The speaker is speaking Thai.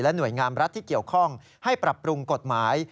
หน่วยงามรัฐที่เกี่ยวข้องให้ปรับปรุงกฎหมาย